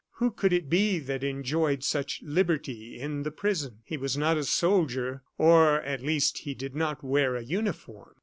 Who could it be that enjoyed such liberty in the prison? He was not a soldier or, at least, he did not wear a uniform.